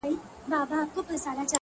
زه د لاسونو د دعا په حافظه کي نه يم-